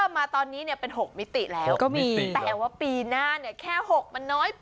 มันน้อยไปอ้าวสิบ